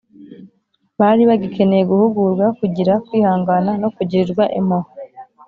bari bagikeneye guhugurwa, kugira kwihangana no kugirirwa impuhwe